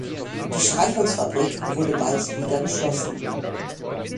Die Streichholzfabrik wurde bald wieder geschlossen.